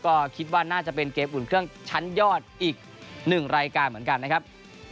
ก็คิดว่าน่าจะเป็นเกมอุ่นเครื่องชั้นยอดอีก๑รายการเหมือนกันนะครับ